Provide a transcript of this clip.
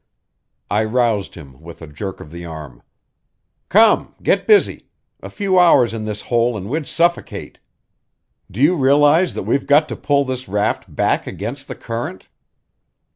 I roused him with a jerk of the arm. "Come get busy! A few hours in this hole and we'd suffocate. Do you realize that we've got to pull this raft back against the current?"